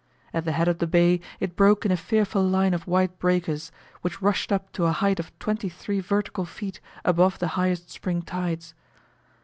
At the head of the bay it broke in a fearful line of white breakers, which rushed up to a height of 23 vertical feet above the highest spring tides.